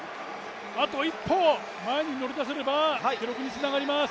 あと一歩前に乗り出せれば記録につながります。